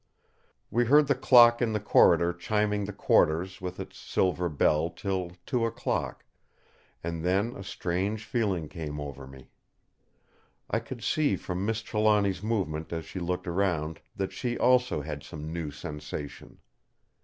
We heard the clock in the corridor chiming the quarters with its silver bell till two o'clock; and then a strange feeling came over me. I could see from Miss Trelawny's movement as she looked round, that she also had some new sensation.